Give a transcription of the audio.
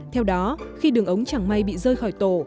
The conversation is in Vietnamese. theo đó khi đường ống chẳng may bị rơi khỏi tổ